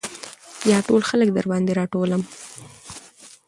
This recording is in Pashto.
يا ټول خلک درباندې راټولم .